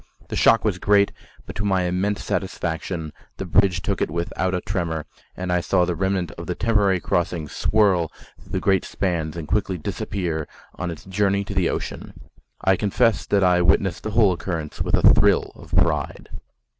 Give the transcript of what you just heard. The shock was great, but to my immense satisfaction the bridge took it without a tremor, and I saw the remnant of the temporary crossings swirl through the great spans and quickly disappear on its journey to the ocean. I confess that I witnessed the whole occurrence with a thrill of pride.